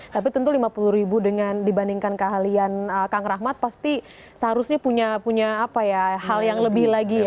tapi tentu lima puluh ribu dengan dibandingkan keahlian kang rahmat pasti seharusnya punya apa ya hal yang lebih lagi ya